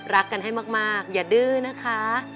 รักกันให้มากอย่าดื้อนะคะ